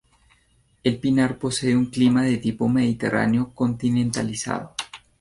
El Pinar posee un clima de tipo mediterráneo continentalizado.